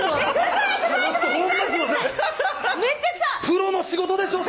プロの仕事でしょ